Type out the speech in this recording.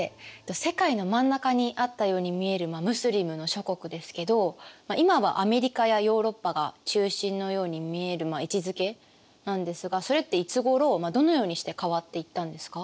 世界の真ん中にあったように見えるムスリムの諸国ですけど今はアメリカやヨーロッパが中心のように見える位置づけなんですがそれっていつごろどのようにして変わっていったんですか？